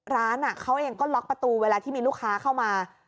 ร้านเขาเองก็ล็อกประตูเวลาที่มีลูกค้าเข้ามา